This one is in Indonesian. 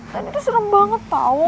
tadi tuh serem banget tau